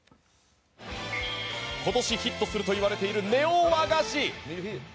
今年ヒットするといわれているネオ和菓子。